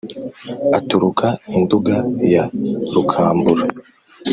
aturuka induga ya rukambura